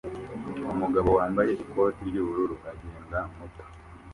Umugabo wambaye ikoti ry'ubururu agenda muto